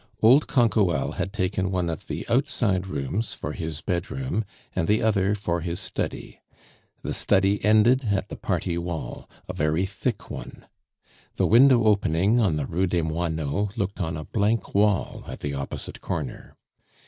Old Canquoelle had taken one of the outside rooms for his bedroom, and the other for his study. The study ended at the party wall, a very thick one. The window opening on the Rue des Moineaux looked on a blank wall at the opposite corner.